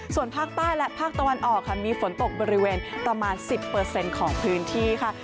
ส่วนภาคใต้และภาคตะวันออกค่ะมีฝนตกบริเวณประมาณ๑๐ของพื้นที่ค่ะ